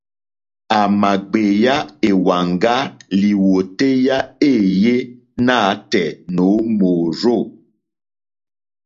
À mà gbèyá èwàŋgá lìwòtéyá éèyé nǎtɛ̀ɛ̀ nǒ mòrzô.